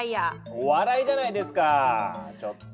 お笑いじゃないですかちょっと。